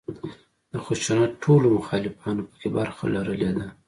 د خشونت ټولو مخالفانو په کې برخه لرلې ده.